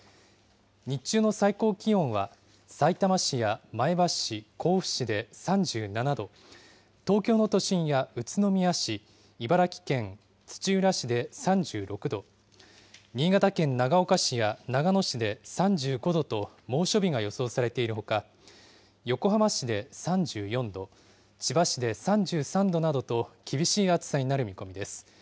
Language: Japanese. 日中の最高気温はさいたま市や前橋市、甲府市で３７度、東京の都心や宇都宮市、茨城県土浦市で３６度、新潟県長岡市や長野市で３５度と、猛暑日が予想されているほか、横浜市で３４度、千葉市で３３度などと、厳しい暑さになる見込みです。